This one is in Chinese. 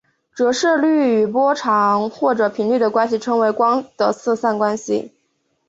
折射率与波长或者频率的关系称为光的色散关系。